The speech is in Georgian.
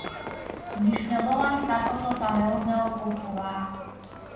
მნიშვნელოვანი სასოფლო-სამეურნეო კულტურაა.